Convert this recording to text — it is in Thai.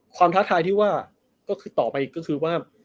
ท้าทายที่ว่าก็คือต่อไปก็คือว่า